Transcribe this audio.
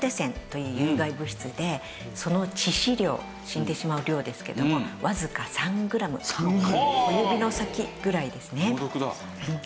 という有害物質でその致死量死んでしまう量ですけどもわずか３グラム小指の先ぐらいですね。